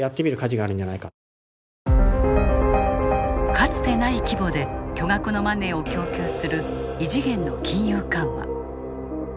かつてない規模で巨額のマネーを供給する異次元の金融緩和。